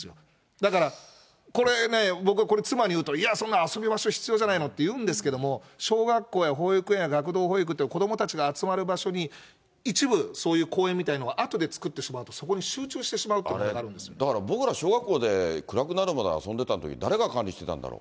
だから、これね、僕はこれ、妻に言うと、いや、そんな、遊び場所、必要じゃないのって言うんですけど、小学校や保育園や学童保育っていう子どもたちが集まる場所に、一部、そういう公園みたいなのをあとで作ってしまうとそこに集中してしまうという問題があるだから僕ら、小学校で暗くなるまで遊んでたとき、誰が管理してたんだろう。